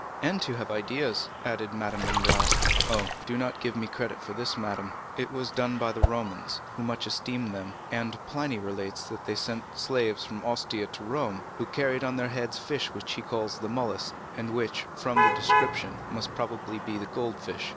"And to have ideas," added Madame Danglars. "Oh, do not give me credit for this, madame; it was done by the Romans, who much esteemed them, and Pliny relates that they sent slaves from Ostia to Rome, who carried on their heads fish which he calls the mulus, and which, from the description, must probably be the goldfish.